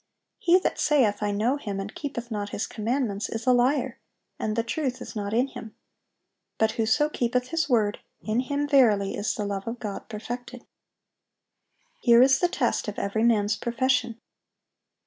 "He that saith, I know Him, and keepeth not His commandments, is a liar, and the truth is not in him. But whoso keepeth His word, in him verily is the love of God perfected."(811) Here is the test of every man's profession.